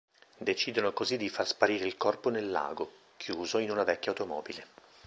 Decidono così di far sparire il corpo nel lago, chiuso in una vecchia automobile.